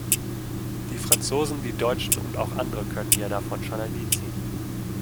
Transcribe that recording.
Die Franzosen, die Deutschen und auch andere können ja davon schon ein Lied singen.